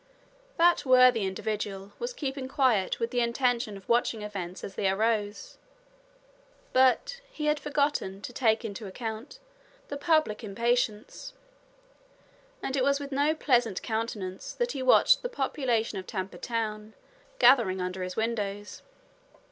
That worthy individual was keeping quiet with the intention of watching events as they arose. But he had forgotten to take into account the public impatience; and it was with no pleasant countenance that he watched the population of Tampa Town gathering under his windows.